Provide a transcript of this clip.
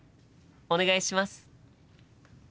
お願いします。